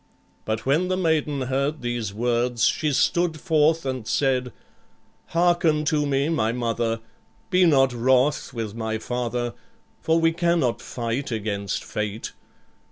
But when the maiden heard these words, she stood forth and said, "Hearken to me, my mother. Be not wroth with my father, for we cannot fight against fate.